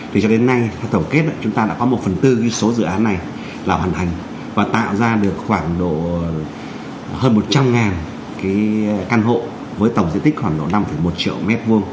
thì cho đến nay tổng kết chúng ta đã có một phần tư số dự án này là hoàn thành và tạo ra được khoảng độ hơn một trăm linh cái căn hộ với tổng diện tích khoảng độ năm một triệu m hai